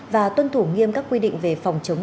và tuân thủ nghiêm các quy định về phòng chống